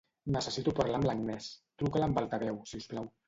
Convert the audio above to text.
Necessito parlar amb l'Agnès; truca-la amb altaveu, si us plau.